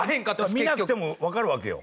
見なくてもわかるわけよ。